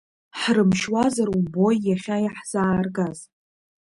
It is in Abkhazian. Ҳрымшьуазар умбои иахьа иаҳзааргаз?